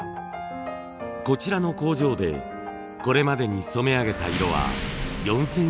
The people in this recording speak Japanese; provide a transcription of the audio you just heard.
こちらの工場でこれまでに染めあげた色は４，０００色以上。